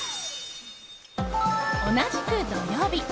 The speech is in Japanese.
同じく土曜日。